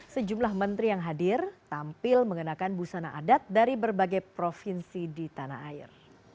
sejumlah menteri yang hadir tampil mengenakan busana adat dari berbagai provinsi di tanah air